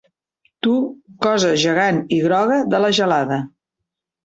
Tu, cosa gegant i groga de la gelada.